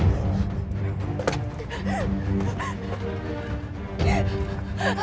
kamu tidak butuh papa